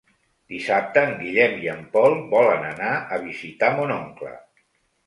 Dissabte en Guillem i en Pol volen anar a visitar mon oncle.